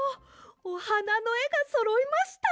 おはなのえがそろいました！